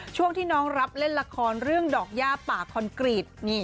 ช่วงที่น้องรับเล่นละครเรื่องดอกย่าป่าคอนกรีต